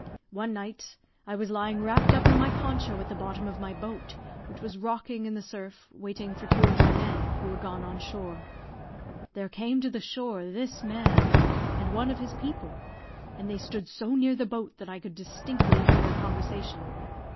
One night, I was lying wrapped up in my poncho at the bottom of my boat, which was rocking in the surf, waiting for two of my men, who were gone on shore. There came to the shore, this man and one of his people, and they stood so near the boat, that I could distinctly hear their conversation.